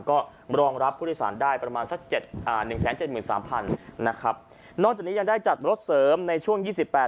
ก็รองรับพฤติสารได้ประมาณ๑๗๓๐๐๐นะครับนอกจากนี้ยังได้จัดรถเสริมในช่วง๒๘๒๙